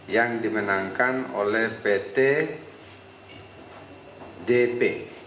yang dimenangkan oleh pt dp